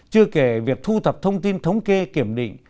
chưa kể việc thu thập thông tin thống kê kiểm định